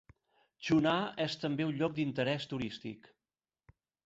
Chunar és també un lloc d'interès turístic.